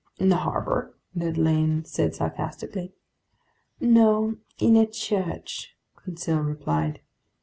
"In the harbor?" Ned Land said sarcastically. "No, in a church," Conseil replied.